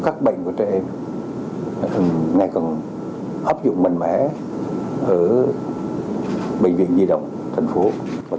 các bệnh của trẻ em ngày còn hấp dụng mạnh mẽ ở bệnh viện nhi đồng tp hcm